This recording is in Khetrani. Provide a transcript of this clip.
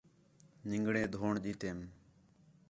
نِنگڑے ڈھونݨ ڈیتیم